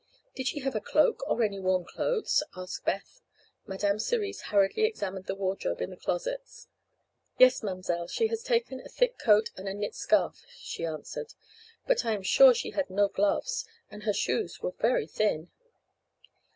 "Did she have a cloak, or any warm clothes?" asked Beth. Madame Cerise hurriedly examined the wardrobe in the closets. "Yes, ma'm'selle; she has taken a thick coat and a knit scarf," she answered. But I am sure she had no gloves, and her shoes were very thin."